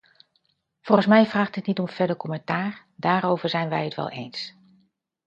Volgens mij vraagt dit niet om verder commentaar, daarover zijn wij het wel eens.